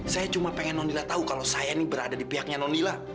saya cuma pengen nonila tahu kalau saya ini berada di pihaknya nonila